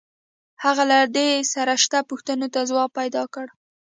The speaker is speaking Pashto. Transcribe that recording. هغه له ده سره شته پوښتنو ته ځواب پیدا کړ